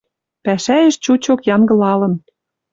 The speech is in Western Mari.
Пӓшӓэш чучок янгылалын.